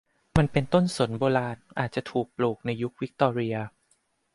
มันเป็นต้นสนโบราณ อาจจะถูกปลูกในยุควิกตอเรีย